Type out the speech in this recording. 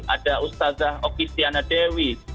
ada ustadzah oki stiana dewi